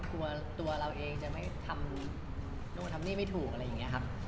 ตัวเราเองจะไม่ทำนู่นทำนี่ไม่ถูกอะไรอย่างนี้ครับ